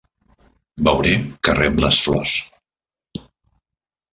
Veuré que rep les flors.